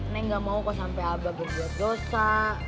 neng nggak mau kok sampai abah berbuat dosa